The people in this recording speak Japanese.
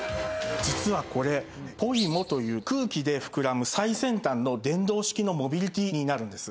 実はこれ「ｐｏｉｍｏ」という空気で膨らむ最先端の電動式のモビリティーになるんです。